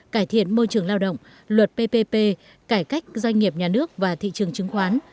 cải thiện môi trường lao động luật ppp cải cách doanh nghiệp nhà nước và thị trường chứng khoán